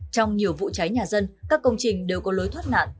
trong nhiều vụ cháy nhà dân các công trình đều có lối thoát nạn